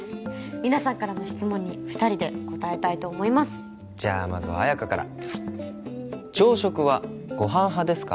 皆さんからの質問に二人で答えたいと思いますじゃあまずは綾華からはい「朝食はご飯派ですか？